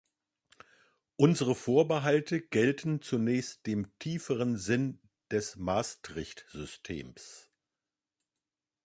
Unsere Vorbehalte gelten zunächst dem tieferen Sinn des Maastricht-Systems.